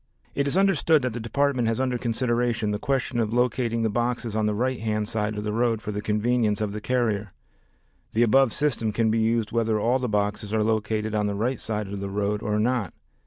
It is understood that the Department has under consideration the question of locating the boxes on the right hand side of the road for the convenience of the carrier. The above system can be used whether all the boxes are located on the right side of the road or not.